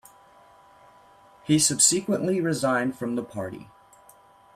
He subsequently resigned from the party.